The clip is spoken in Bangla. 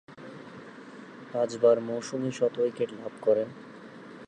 পাঁচবার মৌসুমে শত উইকেট লাভ করেন।